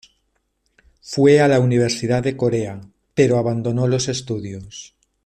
Fue a la Universidad de Corea, pero abandonó los estudios.